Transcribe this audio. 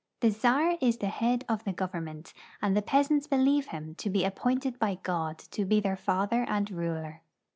The czar is the head of the government, and the peasants believe him to be aj> pointed by God to be their father and ruler.